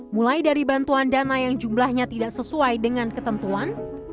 mulai dari bantuan dana yang jumlahnya tidak sesuai dengan ketentuan